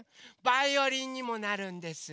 バイオリンにもなるんです。